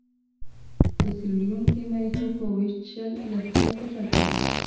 په سیریلیون کې مریتوب په ویشت شل لسیزه کې پای ته ورسېد.